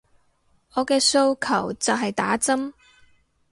我嘅訴求就係打針